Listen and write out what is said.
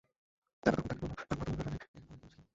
তারা তখন তাঁকে বলল, আমরা তোমার ব্যাপারে এর ভয়ই করেছিলাম।